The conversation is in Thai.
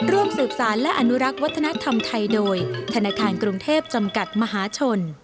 ร่วมสืบสารและอนุรักษ์วัฒนธรรมไทยโดยธนาคารกรุงเทพจำกัดมหาชน